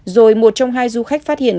rồi một trong hai du khách phát hiện